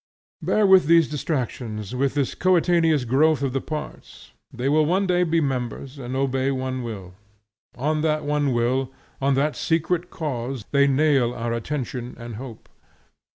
Bear with these distractions, with this coetaneous growth of the parts; they will one day be members, and obey one will. On that one will, on that secret cause, they nail our attention and hope.